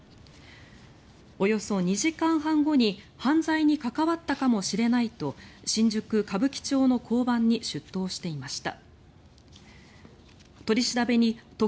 およそ２時間半後に犯罪に関わったかもしれないと新宿・歌舞伎町の交番に出頭していました。